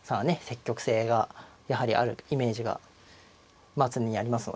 積極性がやはりあるイメージがまあ常にありますのでね。